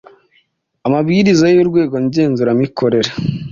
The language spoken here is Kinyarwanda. amabwiriza y Urwego Ngenzuramikorere